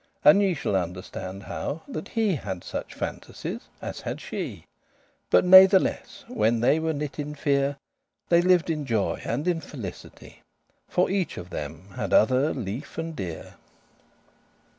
And ye shall understande how that he Hadde such fantasies as hadde she; But natheless, when they were knit in fere,* *together They liv'd in joy, and in felicity, For each of them had other lefe* and dear.